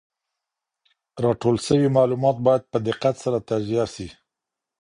راټول سوي معلومات باید په دقت سره تجزیه سي.